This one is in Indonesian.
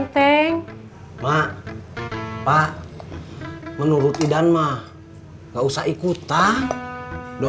tengah n stall